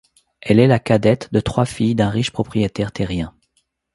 Elle est la cadette de trois filles d'un riche propriétaire terrien.